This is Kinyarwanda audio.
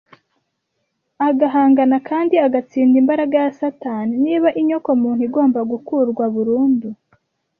agahangana kandi agatsinda imbaraga ya Satani niba inyoko muntu igomba gukurwa burundu